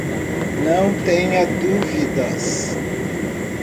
Não tenha dúvidas.